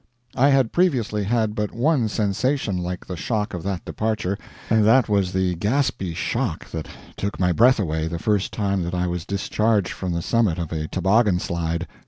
I had previously had but one sensation like the shock of that departure, and that was the gaspy shock that took my breath away the first time that I was discharged from the summit of a toboggan slide.